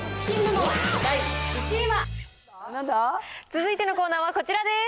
続いてのコーナーはこちらです。